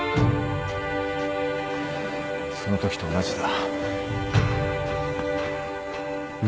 そのときと同じだ。